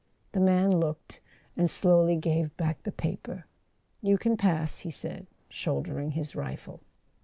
The man looked, and slowly gave back the paper. "You can pass," he said, shouldering his rifle.